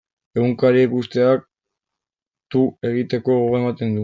Egunkaria ikusteak tu egiteko gogoa ematen du.